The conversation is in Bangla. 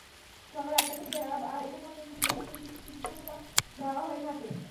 সকাল আটটা থেকে বেলা আড়াইটা পর্যন্ত ক্লিনিকে চিকিৎসাসেবা দেওয়া হয়ে থাকে।